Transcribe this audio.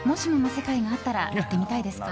世界があったら行ってみたいですか？